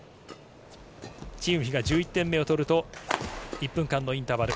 チン・ウヒが１１点目を取ると１分間のインターバル。